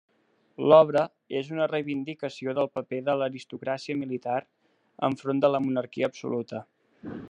L'obra és una reivindicació del paper de l'aristocràcia militar enfront de la monarquia absoluta.